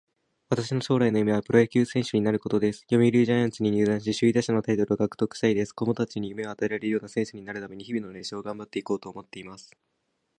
私の将来の夢はプロ野球選手になることです。読売ジャイアンツに入団し、首位打者のタイトルを獲得したいです。子供達に夢を与えられるような選手になる為に、日々の練習を頑張っていこうと思っています。